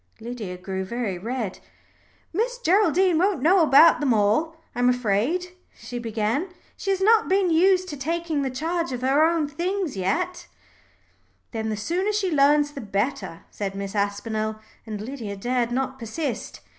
Lydia grew very red. "Miss Geraldine won't know about them all, I'm afraid," she began. "She has not been used to taking the charge of her things yet." "Then the sooner she learns the better," said Miss Aspinall, and Lydia dared not persist.